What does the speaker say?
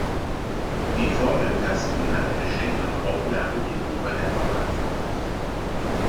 Die Form im Kasten hat eine schlechtere Auflage gegenüber der Normalform.